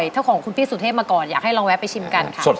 เท่าของคุณพี่สุเทพมาก่อนอยากให้ลองแวะไปชิมกันค่ะ